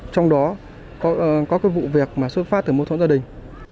trong đó có cái vụ việc mà xuất phát từ mâu thuẫn gia đình